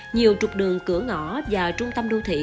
nhiều trục đường cửa ngõ và trung tâm đô thị